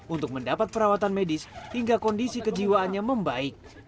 untuk mendapat perawatan medis hingga kondisi kejiwaannya membaik